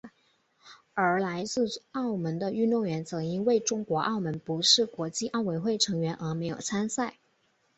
而来自澳门的运动员则因为中国澳门不是国际奥委会成员而没有参赛。